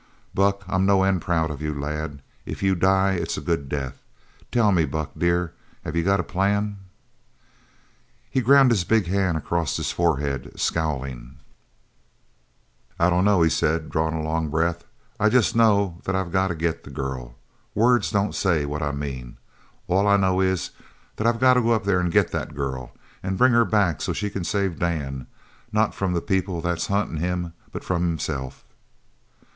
"Buck, I'm no end proud of you, lad. If you die, it's a good death! Tell me, Buck dear, have you got a plan?" He ground his big hand across his forehead, scowling. "I dunno," he said, drawing a long breath. "I jest know that I got to get the girl. Words don't say what I mean. All I know is that I've got to go up there an' get that girl, and bring her back so's she can save Dan, not from the people that's huntin' him, but from himself."